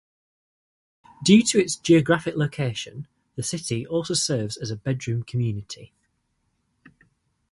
Due to its geographic location, the city also serves as a bedroom community.